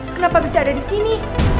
kenapa bisa ada di sini